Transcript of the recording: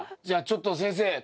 じゃあちょっと先生